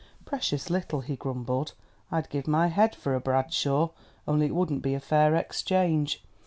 "Precious little," he grumbled. "I'd give my head for a Bradshaw! Only it wouldn't be a fair exchange....